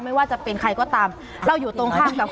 ไม่ว่าจะเป็นใครก็ตามเราอยู่ตรงข้ามกับ